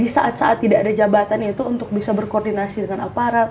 di saat saat tidak ada jabatan itu untuk bisa berkoordinasi dengan aparat